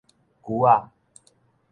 龜仔